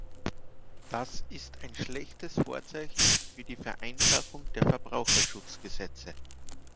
Das ist ein schlechtes Vorzeichen für die Vereinfachung der Verbraucherschutzgesetze.